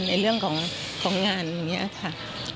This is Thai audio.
ในเรื่องของงานอย่างนี้ค่ะ